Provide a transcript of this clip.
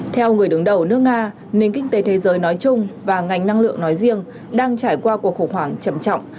theo người đứng đầu nước nga nền kinh tế thế giới nói chung và ngành năng lượng nói riêng đang trải qua cuộc khủng hoảng trầm trọng